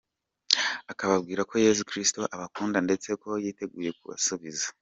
akababwira ko Yesu Kristo abakunda ndetse ko yiteguye kubasubiza.